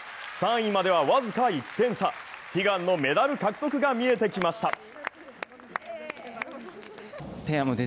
３位までは僅か１点差、悲願のメダル獲得が見えてきました。